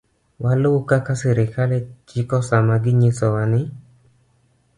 Waluw kaka sirkal chiko sama ginyisowa ni